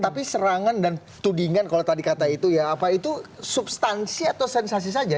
tapi serangan dan tudingan kalau tadi kata itu ya apa itu substansi atau sensasi saja